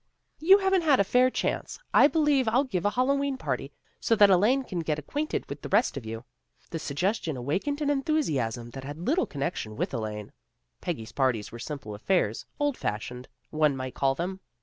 " You haven't had a fair chance. I believe I'll give a Hallowe'en party, so that Elaine can get acquainted with the rest of you." The suggestion awakened an enthusiasm that had little connection with Elaine. Peggy's parties were simple affairs, old fashioned, one might call them.